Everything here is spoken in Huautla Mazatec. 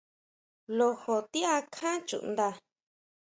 Lojo ti akjan chundá?